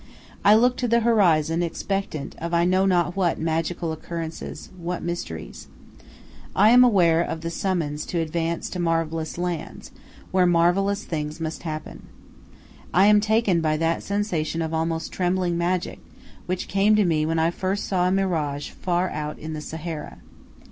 I look to the horizon expectant of I know not what magical occurrences, what mysteries. I am aware of the summons to advance to marvellous lands, where marvellous things must happen. I am taken by that sensation of almost trembling magic which came to me when first I saw a mirage far out in the Sahara.